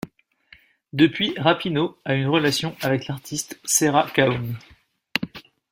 Depuis Rapinoe a une relation avec l'artiste Sera Cahoone.